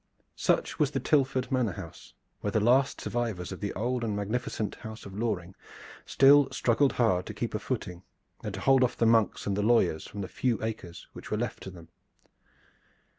Such was the Tilford Manor house where the last survivors of the old and magnificent house of Loring still struggled hard to keep a footing and to hold off the monks and the lawyers from the few acres which were left to them.